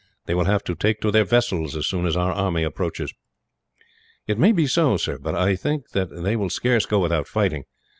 They will have to take to their vessels, as soon as our army approaches." "It may be so, sir; but I think that they will scarce go without fighting.